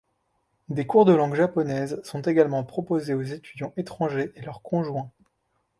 Des cours de langue japonaise sont également proposés aux étudiants étrangers et leurs conjoints.